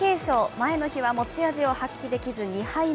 前の日は持ち味を発揮できず２敗目。